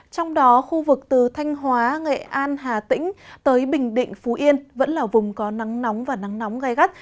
trong đó khu vực từ thanh hóa nghệ an hà tĩnh tới bình định phú yên vẫn là vùng có nắng nóng và nắng nóng gai gắt